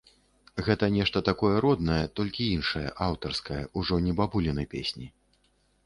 Гэта нешта такое роднае, толькі іншае, аўтарскае, ужо не бабуліны песні.